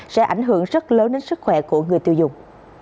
sẽ ảnh hưởng rất lớn đến sức khỏe của người tiêu dùng